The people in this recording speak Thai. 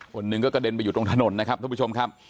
คนหนึ่งก็กระเด็นไปอยู่ตรงถนนนะครับท่านผู้ชมครับ